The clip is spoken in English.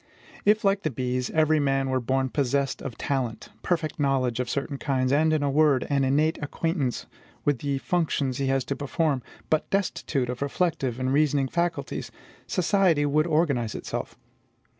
If, like the bees, every man were born possessed of talent, perfect knowledge of certain kinds, and, in a word, an innate acquaintance with the functions he has to perform, but destitute of reflective and reasoning faculties, society would organize itself.